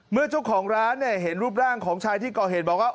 เมื่อเจ้าของร้านเนี่ยเห็นรูปร่างของชายที่ก่อเหตุบอกว่า